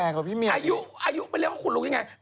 อายุไม่ได้เรียกว่าคุณลุงยังไง